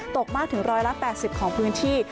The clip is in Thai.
ตกมากถึงร้อยละ๘๐ของพื้นที่